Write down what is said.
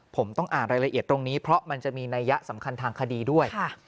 ผมต้องอ่านรายละเอียดตรงนี้เพราะมันจะมีนัยยะสำคัญทางคดีด้วย